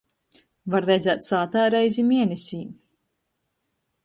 Var redzēt sātā reizi mienesī.